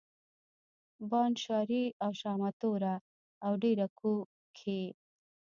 بانډ شاري او شامتوره او ډېره کو کښي